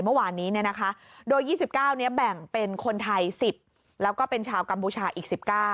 เมื่อวานนี้โดย๒๙แบ่งเป็นคนไทย๑๐แล้วก็เป็นชาวกัมพูชาอีก๑๙